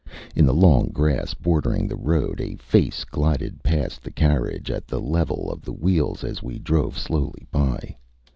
In the long grass bordering the road a face glided past the carriage at the level of the wheels as we drove slowly by.